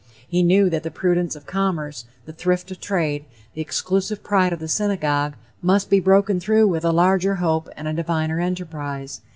He knew that the prudence of commerce, the thrift of trade, the exclusive pride of the synagogue, must be broken through with a larger hope and a diviner enterprise.